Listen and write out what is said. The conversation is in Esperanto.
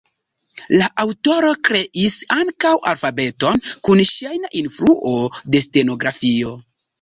La aŭtoro kreis ankaŭ alfabeton kun ŝajna influo de stenografio.